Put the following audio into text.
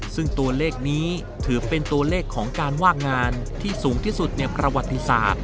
ซึ่งตัวเลขนี้ถือเป็นตัวเลขของการว่างงานที่สูงที่สุดในประวัติศาสตร์